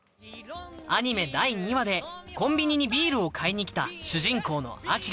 アニメ第２話でコンビニにビールを買いに来た主人公の輝。